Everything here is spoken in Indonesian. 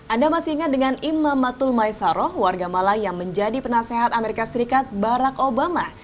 anda masih ingat dengan imam matul maisaroh warga malang yang menjadi penasehat amerika serikat barack obama